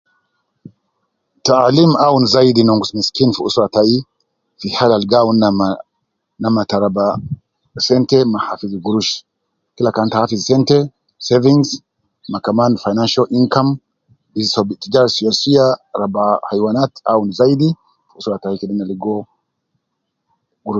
Taalim awun zayidi fi nongus miskin fi usra tayi fi hali ta awun ina ma fi namna ta raba sente ma hafidh gurush. Kila kan ita hafidh, ( savings) ma kaman ( financial income) siya siya ta raba hayiwanat, de ya namna ta logo gurush.